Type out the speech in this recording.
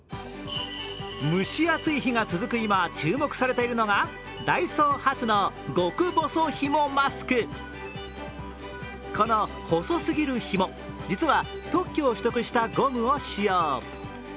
蒸し暑い日が続く今、注目されているのがこの細すぎるひも、実は特許を取得したゴムを使用。